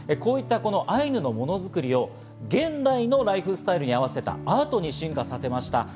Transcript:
こういったアイヌのものづくりを現代のライフスタイルに合わせたアートに進化させました。